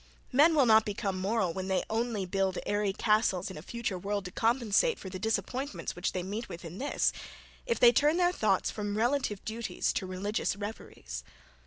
Men will not become moral when they only build airy castles in a future world to compensate for the disappointments which they meet with in this; if they turn their thoughts from relative duties to religious reveries.